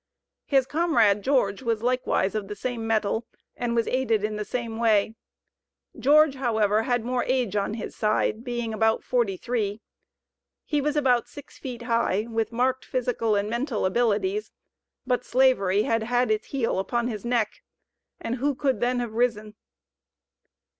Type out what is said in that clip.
His comrade, George, was likewise of the same mettle, and was aided in the same way. George, however, had more age on his side, being about forty three. He was about six feet high, with marked physical and mental abilities, but Slavery had had its heel upon his neck. And who could then have risen?